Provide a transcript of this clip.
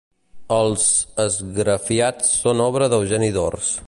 Els esgrafiats són obra d'Eugeni d'Ors.